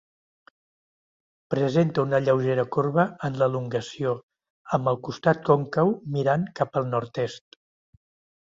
Presenta una lleugera corba en l'elongació, amb el costat còncau mirant cap al nord-est.